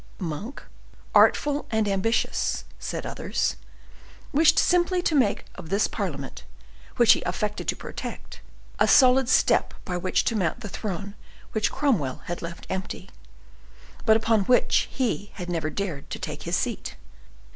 Monk, artful and ambitious, said others, wished simply to make of this parliament, which he affected to protect, a solid step by which to mount the throne which Cromwell had left empty, but upon which he had never dared to take his seat.